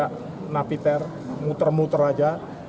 dia tidak napiter muter muter saja